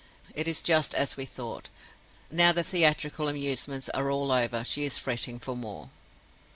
"It is just as we thought. Now the theatrical amusements are all over, she is fretting for more."